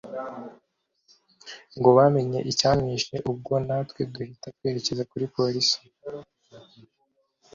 ngo bamenye icyamwishe ubwo natwe duhita twerekezwa kuri police